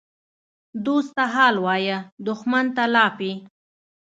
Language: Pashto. دوست ته حال وایه، دښمن ته لاپې.